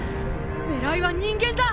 狙いは人間だ！